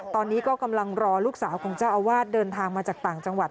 ตอนนี้ก็กำลังรอลูกสาวของเจ้าอาวาสเดินทางมาจากต่างจังหวัด